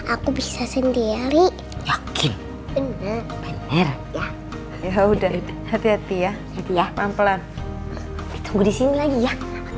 aku bisa sendiri oke ya udah hati hati ya pelan pelan ditunggu di sini lagi ya